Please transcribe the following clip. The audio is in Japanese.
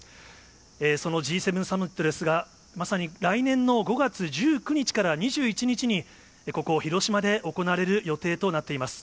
そのＧ７サミットですが、まさに来年の５月１９日から２１日に、ここ、広島で行われる予定となっています。